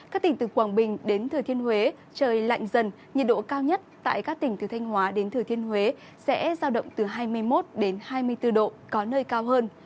các tỉnh từ quảng bình đến thừa thiên huế trời lạnh dần nhiệt độ cao nhất tại các tỉnh từ thanh hóa đến thừa thiên huế sẽ giao động từ hai mươi một hai mươi bốn độ có nơi cao hơn